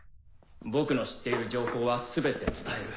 僕の知っている情報は全て伝える。